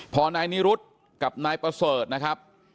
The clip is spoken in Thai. พอนายนิรุธกับนายประเสริฐนะครับ